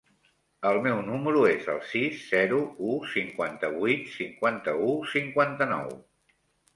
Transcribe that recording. El meu número es el sis, zero, u, cinquanta-vuit, cinquanta-u, cinquanta-nou.